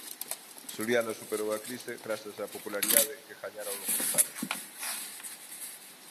Xuliana superou a crise grazas á popularidade que gañara ao longo dos anos.